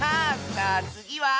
さあつぎは？